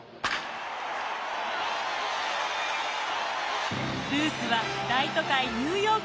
ルースは大都会ニューヨークで躍動！